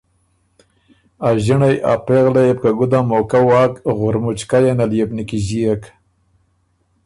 ا ݫِنړئ ا پېغلئ يې بو که ګُده موقع واک غُرمُچکئ یه نل يې بو نیکیݫيېک